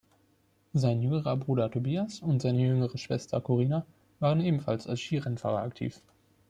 Sein jüngerer Bruder Tobias und seine jüngere Schwester Corina waren ebenfalls als Skirennfahrer aktiv.